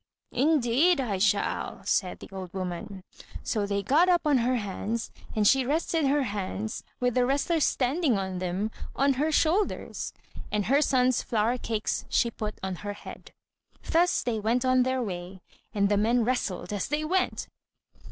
"Indeed I shall," said the old woman. So they got up on her hands, and she rested her hands, with the wrestlers standing on them, on her shoulders; and her son's flour cakes she put on her head. Thus they went on their way, and the men wrestled as they went.